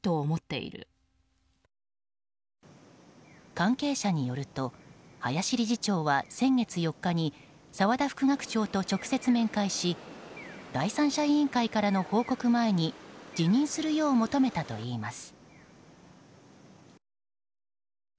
関係者によると、林理事は先月４日に澤田副学長と直接面会し第三者委員会からの報告前に辞任するよう求めたといいます。